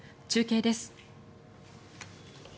中継です。